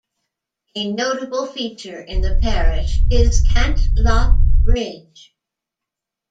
A notable feature in the parish is Cantlop Bridge.